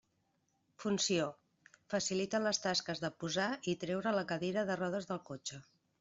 Funció: facilita les tasques de posar i treure la cadira de rodes del cotxe.